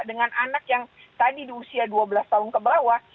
dengan anak yang tadi di usia dua belas tahun ke bawah